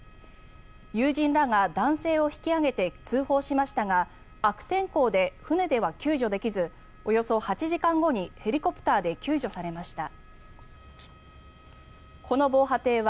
友人らが男性を引き上げて通報しましたが悪天候で船では救助できずおよそ８時間後にヘリコプターで救助されました。